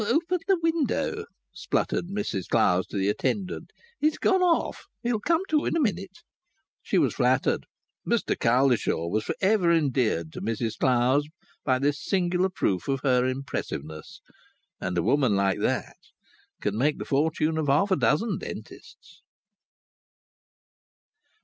"O o pen the window," spluttered Mrs Clowes to the attendant. "He's gone off; he'll come to in a minute." She was flattered. Mr Cowlishaw was for ever endeared to Mrs Clowes by this singular proof of her impressiveness. And a woman like that can make the fortune of half a dozen dentists.